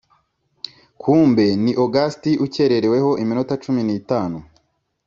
kumbe ni august ukerereweho iminota cumi ni tanu